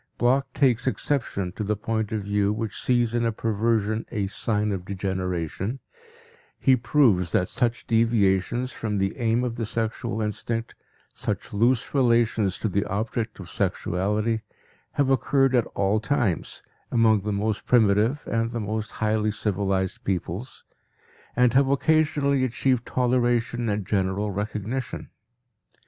Bloch takes exception to the point of view which sees in a perversion a "sign of degeneration"; he proves that such deviations from the aim of the sexual instinct, such loose relations to the object of sexuality, have occurred at all times, among the most primitive and the most highly civilized peoples, and have occasionally achieved toleration and general recognition.